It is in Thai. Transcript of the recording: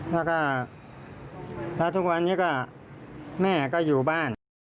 แล้วก็แล้วทุกวันนี้ก็แม่ก็อยู่บ้าน